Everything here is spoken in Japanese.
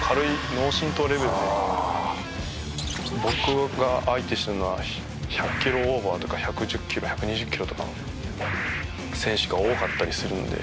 僕が相手しているのは１００キロオーバーとか１１０キロ１２０キロとかの選手が多かったりするので。